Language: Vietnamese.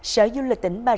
sở du lịch tỉnh bà rịa